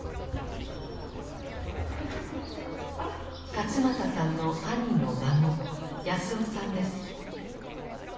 勝又さんの兄の孫康雄さんです。